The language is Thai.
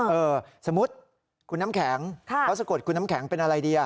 เออสมมุติคุณน้ำแข็งเขาสะกดคุณน้ำแข็งเป็นอะไรดี